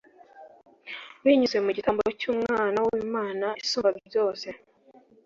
binyuze mu gitambo cy'umwana w'imana isumba byose